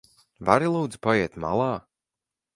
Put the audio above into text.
Vari lūdzu paiet malā?